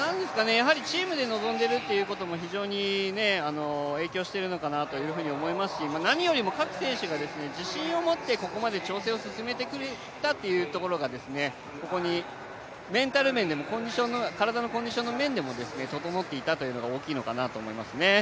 やはりチームで臨んでいるっていうことも非常に影響しているのかなというふうに思いますし、何よりも各選手が自信を持ってここまで調整を進めてくれたっていうところがここにメンタル面でも体のコンディションの面でも整っていたというのが大きいのかなと思いますね。